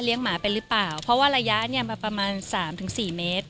เรียงหมาเป็นหรือป่าวเพราะว่าระยะมาประมาณ๓๔เมตร